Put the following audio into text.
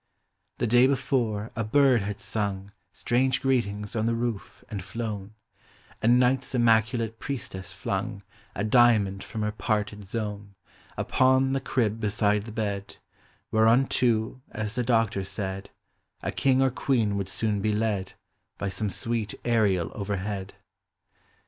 The day before, a bird had sung Strange greetings on the roof and flown; And Night's immaculate priestess Hung A diamond from her parted zone Upon the crib beside the bed, AY hereunto, as the doctor said, A king or queen would soon be led By some sweet Ariel overhead.